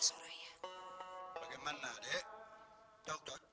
tapi mau jual sapi